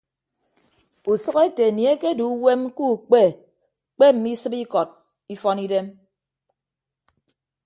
Usʌk ete anie ekedu uwem ke ukpe kpe mme isịp ikọd ifọn idem.